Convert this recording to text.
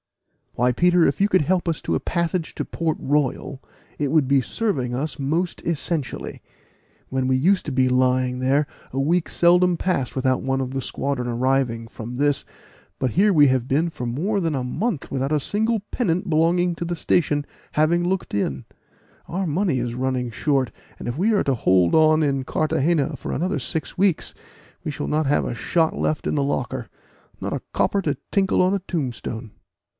"Why, Peter, if you could help us to a passage to Port Royal, it would be serving us most essentially. When we used to be lying there a week seldom passed without one of the squadron arriving from this; but here have we been for more than a month without a single pennant belonging to the station having looked in: our money is running short, and if we are to hold on in Carthagena for another six weeks, we shall not have a shot left in the locker not a copper to tinkle on a tombstone."